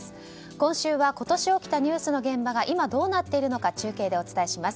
今週は今年起きたニュースの現場が今、どうなっているのか中継でお伝えします。